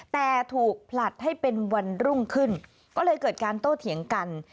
แต่ถูกผลัดให้เป็นวันรุ่งขึ้นก็เลยเกิดการโต้เถียงกัน